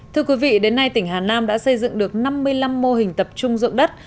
thưa quý vị đến nay tỉnh hà nam đã xây dựng được năm mươi năm mô hình tập trung dưỡng đất